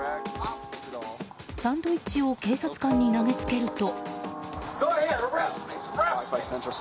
サンドイッチを警察官に投げつけると。